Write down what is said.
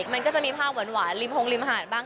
มันก็จะมีภาคหวานหลีมห่อบ้าง